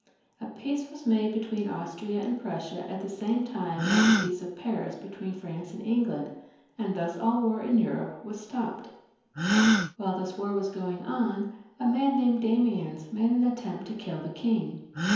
A peace was made between Austria and Prussia at the same time as the peace of Paris between France and England, and thus aU the. war in Europe stopped. While this war was going on, a man named Damiens made an attempt to kill the king.